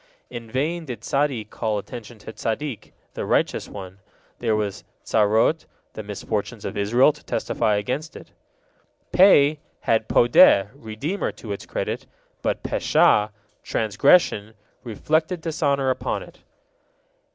In vain did Zadde call attention to Zaddik, the Righteous One; there was Zarot, the misfortunes of Israel, to testify against it. Pe had Podeh, redeemer, to its credit, but Pesha: transgression, reflected dishonor upon it.